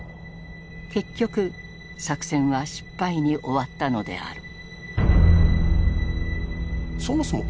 結局作戦は失敗に終わったのである。